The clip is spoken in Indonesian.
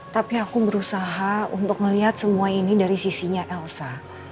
tapi aku berusaha untuk melihat semua ini dari sisinya elsa